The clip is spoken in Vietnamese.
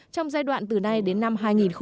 trong giai đoạn từ nay đến năm hai nghìn hai mươi